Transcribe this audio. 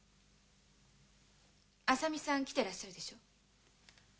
浅見さん来てらっしゃるでしょ？